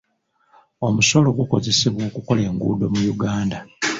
Omusolo gukozesebwa okukola enguudo mu Uganda.